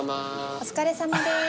お疲れさまでーす。